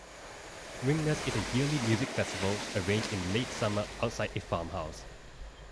Ringnes is a yearly music festival arranged in late summer outside a farm house.